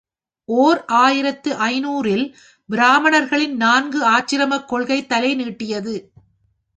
ஓர் ஆயிரத்து ஐநூறு இல், பிராமணர்களின் நான்கு ஆசிரமக் கொள்கை தலை நீட்டியது.